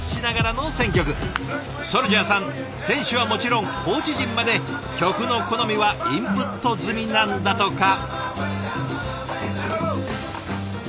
ＳＯＵＬＪＡＨさん選手はもちろんコーチ陣まで曲の好みはインプット済みなんだとか。